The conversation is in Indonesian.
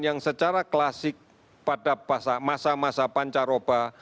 yang secara klasik pada masa masa pancaroba